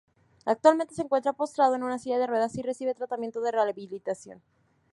Actualmente se encuentra postrado en una silla de ruedas y recibe tratamiento de rehabilitación.